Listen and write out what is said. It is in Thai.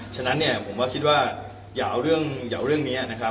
ฉะนั้นเนี่ยผมก็คิดว่าอย่าเอาเรื่องนี้นะครับ